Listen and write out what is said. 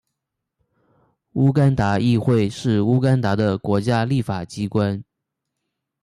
乌干达议会是乌干达的国家立法机关。